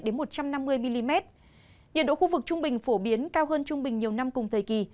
nhiệt độ khu vực trung bình phổ biến cao hơn trung bình nhiều năm cùng thời kỳ